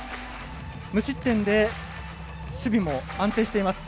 無失点で守備も安定しています。